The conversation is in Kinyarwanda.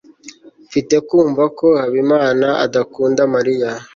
mfite kumva ko habimana adakunda mariya